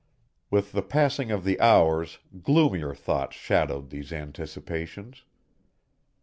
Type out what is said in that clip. With the passing of the hours gloomier thoughts shadowed these anticipations.